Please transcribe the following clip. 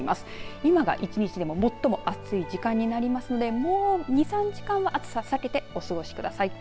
今が一日でも最も暑い時間になりますのでもう２３時間は暑さを避けてお過ごしください。